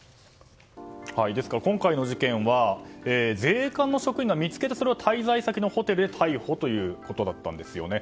今回の事件は税関の職員が見つけてそれを滞在先のホテルで逮捕ということだったんです。